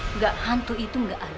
enggak hantu itu nggak ada